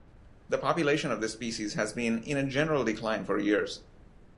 The population of this species has been in a general decline for years.